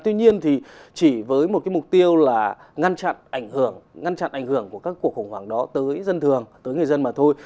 tuy nhiên thì chỉ với một mục tiêu là ngăn chặn ảnh hưởng của các cuộc khủng hoảng đó tới dân thường tới người dân mà thôi